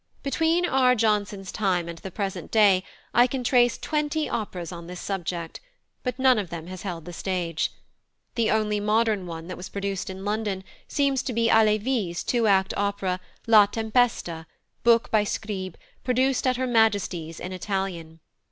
Between R. Johnson's time and the present day I can trace twenty operas on this subject, but none of them has held the stage. The only modern one that was produced in London seems to be +Halévy's+ two act opera La Tempesta, book by Scribe, produced at Her Majesty's in Italian.